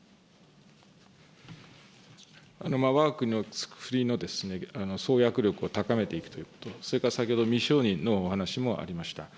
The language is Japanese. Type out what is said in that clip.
わが国の創薬力を高めていくということ、それから先ほど未承認のお話もありました。